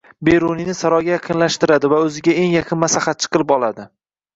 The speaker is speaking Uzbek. Beruniyni saroyga yaqinlashtiradi va o`ziga eng yaqin maslahatchi qilib oladi